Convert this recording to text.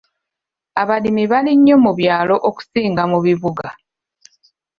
Abalimi bali nnyo mu byalo okusinga mu bibuga.